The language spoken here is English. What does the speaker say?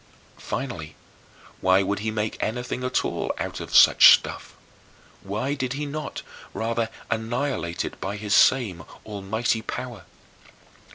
Finally, why would he make anything at all out of such stuff? Why did he not, rather, annihilate it by his same almighty power?